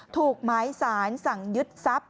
ถูกหมายสารสั่งยึดทรัพย